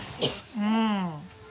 うん。